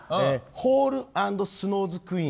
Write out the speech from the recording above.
「ホールアンドスノーズクイーン」！